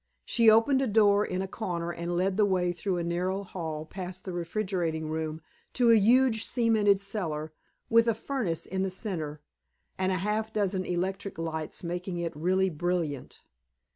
She opened a door in a corner and led the way through a narrow hall past the refrigerating room, to a huge, cemented cellar, with a furnace in the center, and a half dozen electric lights making it really brilliant.